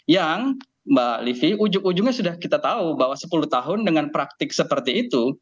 yang mbak livi ujung ujungnya sudah kita tahu bahwa sepuluh tahun dengan praktik seperti itu